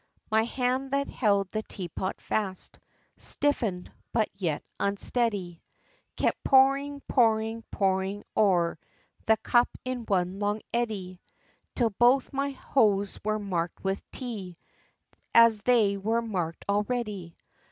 VI. My hand that held the tea pot fast, Stiffen'd, but yet unsteady, Kept pouring, pouring, pouring o'er The cup in one long eddy, Till both my hose were marked with tea, As they were mark'd already.